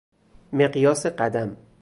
مقیاس قدم